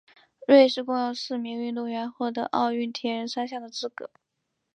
瑞士共有四名运动员获得奥运铁人三项的资格。